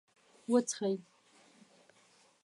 .وڅښئ